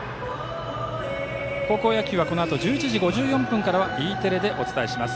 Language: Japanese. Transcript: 高校野球はこのあと１１時５４分からＥテレでお伝えします。